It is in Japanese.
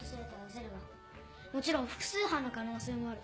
もちろん複数犯の可能性もある。